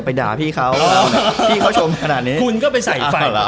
พี่เขาชมขนาดนี้